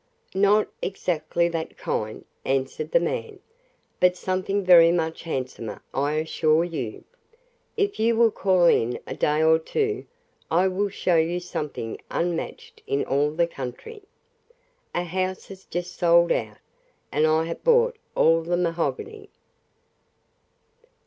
"Not exactly that kind," answered the man. "But something very much handsomer, I assure you. If you will call in a day or two I will show you something unmatched in all the country. A house has just sold out, and I have bought all the mahogany."